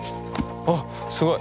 あっすごい。